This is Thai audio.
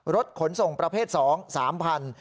รถขนส่งประเภท๒บาท๓๐๐๐